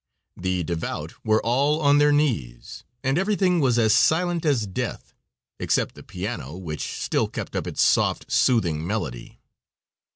The devout were all on their knees, and everything was as silent as death, except the piano, which still kept up its soft, soothing melody.